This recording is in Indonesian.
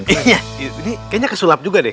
ini kayaknya tukang sulap juga deh